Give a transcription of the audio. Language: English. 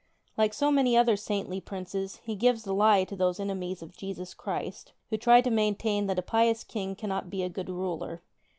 Like so many other saintly princes, he gives the lie to those enemies of Jesus Christ who try to maintain that a pious king cannot be a good ruler.